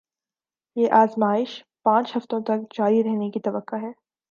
یہ آزمائش پانچ ہفتوں تک جاری رہنے کی توقع ہے